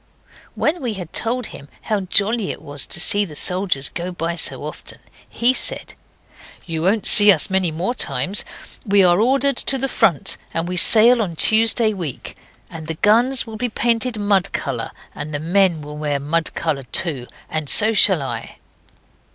When we had told him how jolly it was to see the soldiers go by so often, he said 'You won't see us many more times. We're ordered to the front; and we sail on Tuesday week; and the guns will be painted mud colour, and the men will wear mud colour too, and so shall I.